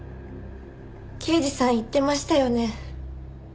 刑事さん言ってましたよね。